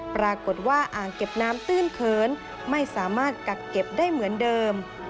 ปรากฏว่าอ่างเก็บน้ำตื้นเขินไม่สามารถกักเก็บได้เหมือนเดิม